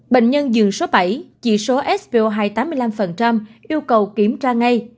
bệnh nhân dường số bảy chỉ số svo hai tám mươi năm yêu cầu kiểm tra ngay